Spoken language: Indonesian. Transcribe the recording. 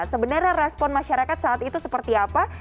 sebenarnya respon masyarakat saat itu seperti apa